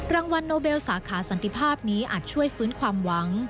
รางวัลโนเบลสาขาสันติภาพนี้อาจช่วยฟื้นความหวัง